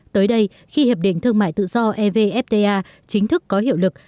tới đây khi hiệp định thương mại tự do evfta chính thức có hiệu lực